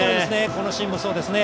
このシーンもそうですね。